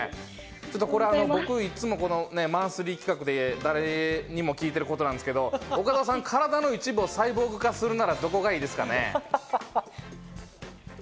これ僕、いつもマンスリー企画で誰にも聞いてることなんですけど、岡澤さん、体の一部をサイボーグ化するとしたらどこがいいですかね？